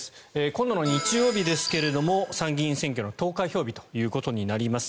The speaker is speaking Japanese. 今度の日曜日ですが参議院選挙の投開票日となります。